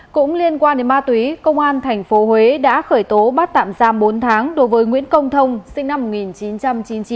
cũng liên quan đến ma túy công an tp huế đã khởi tố bắt tạm giam bốn tháng đối với nguyễn công thông sinh năm một nghìn chín trăm chín mươi chín